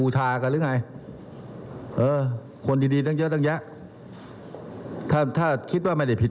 ถ้าคิดว่าไม่ได้ผิด